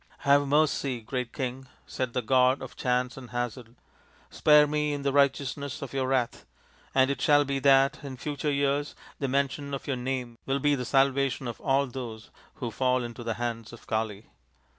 " Have mercy, great King," said the god of chance and hazard. " Spare me in the righteousness of your wrath, and it shall be that in future years the mention of your name will be the salvation of all those who fall into the hands of Kali."